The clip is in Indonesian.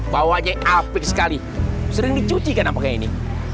bawanya apik sekali sering dicuci kan apa kayak gini